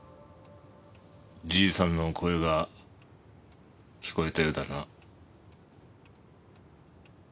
じいさんの声が聞こえたようだな。